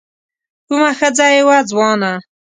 کومه ښځه يې وه ځوانه